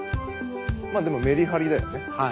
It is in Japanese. まあでもメリハリだよね。